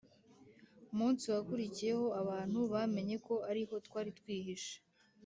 Munsi wakurikiyeho abantu bamenye ko ari ho twari twihishe